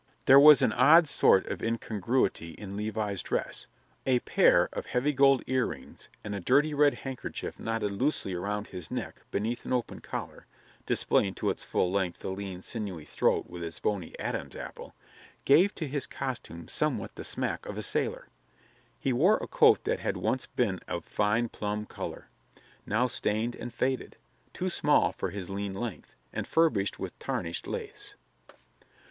There was an odd sort of incongruity in Levi's dress; a pair of heavy gold earrings and a dirty red handkerchief knotted loosely around his neck, beneath an open collar, displaying to its full length the lean, sinewy throat with its bony "Adam's apple," gave to his costume somewhat the smack of a sailor. He wore a coat that had once been of fine plum color now stained and faded too small for his lean length, and furbished with tarnished lace.